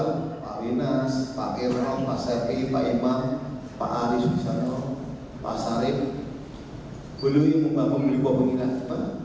kemudian baret mobil pataka wajah seluruh sejarah korps brimob polri